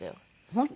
本当？